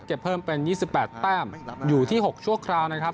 เพิ่มเป็น๒๘แต้มอยู่ที่๖ชั่วคราวนะครับ